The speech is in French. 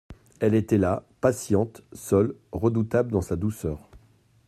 Elle était là, patiente, seule, redoutable dans sa douceur.